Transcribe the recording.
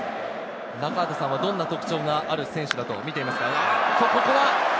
中畑さんはどんな特徴がある選手だとみていますか？